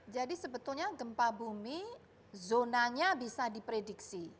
jadi sebetulnya gempa bumi zonanya bisa diprediksi